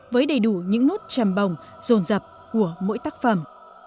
với đầy đủ những nốt trầm bồng rồn rập của mỗi tác phẩm